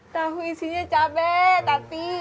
tahu isinya cabai tati